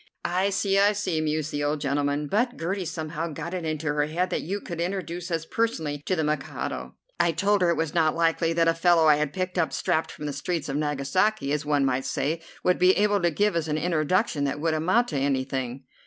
"I see, I see," mused the old gentleman; "but Gertie somehow got it into her head that you could introduce us personally to the Mikado. I told her it was not likely that a fellow I had picked up strapped from the streets of Nagasaki, as one might say, would be able to give us an introduction that would amount to anything."